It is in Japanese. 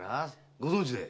ご存じで？